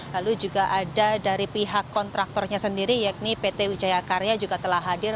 lalu juga ada dari pihak kontraktornya sendiri yakni pt wijaya karya juga telah hadir